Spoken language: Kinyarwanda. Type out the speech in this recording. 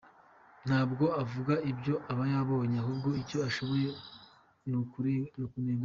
Ntabwo avuga ibyo aba yabonye ahubwo icyo ashoboye n’ukunenga gusa.